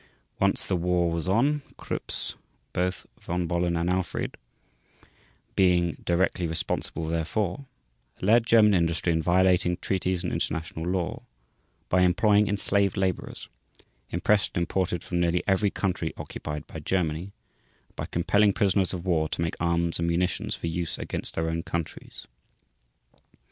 Once the war was on, Krupps, both Von Bohlen and Alfried being directly responsible therefor, led German industry in violating treaties and international law by employing enslaved laborers, impressed and imported from nearly every country occupied by Germany, and by compelling prisoners of war to make arms and munitions for use against their own countries.